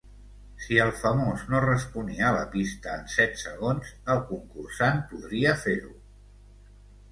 Si el famós no responia a la pista en set segons, el concursant podria fer-ho.